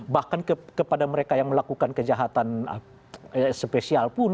bahkan kepada mereka yang melakukan kejahatan spesial pun